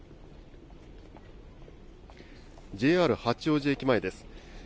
ＪＲ八王子駅前です。